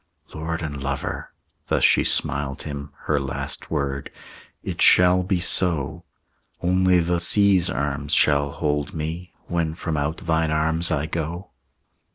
"Lord and lover," thus she smiled him Her last word, "it shall be so, Only the sea's arms shall hold me, When from out thine arms I go."